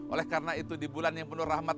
oleh karena itu di bulan yang penuh rahmat